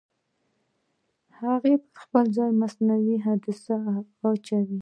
د هغه پرځای مصنوعي عدسیه اچوي.